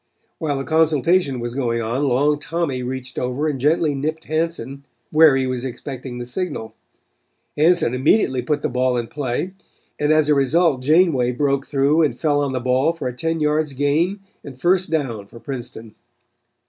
While the consultation was going on Long Tommy reached over and gently nipped Hanson where he was expecting the signal. Hanson immediately put the ball in play and as a result Janeway broke through and fell on the ball for a ten yards gain and first down for Princeton.